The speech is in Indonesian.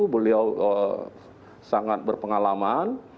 beliau sangat berpengalaman